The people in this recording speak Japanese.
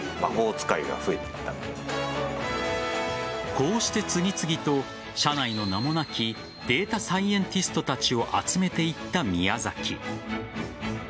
こうして、次々と社内の名もなきデータサイエンティストたちを集めていった宮崎。